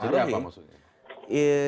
jadi apa maksudnya